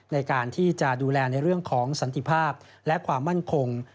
ในการที่จะดูแลในเรื่องของสันติภาพและความมั่นคง